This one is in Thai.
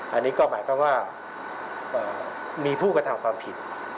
อันนี้ก็หมายความว่ามีผู้กระทำความผิด